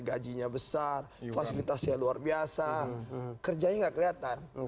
gajinya besar fasilitasnya luar biasa kerjanya nggak kelihatan